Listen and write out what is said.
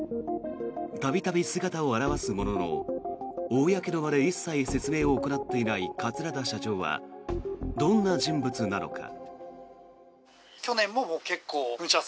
度々姿を現すものの公の場で一切説明を行っていない桂田社長はどんな人物なのか。